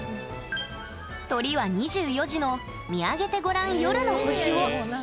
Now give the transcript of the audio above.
とりは２４時の「見上げてごらん夜の星を」。